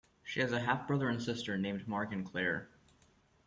She has a half-brother and -sister named Mark and Claire.